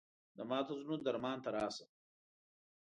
د ماتو زړونو درمان ته راشه